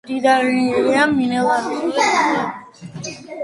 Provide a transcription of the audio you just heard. მდიდარია მინერალური წყლებით.